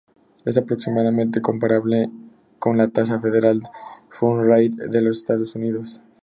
Es aproximadamente comparable con la tasa "Federal funds rate" de los Estados Unidos.